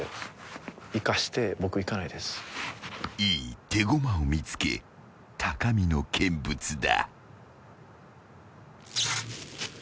［いい手駒を見つけ高みの見物だ］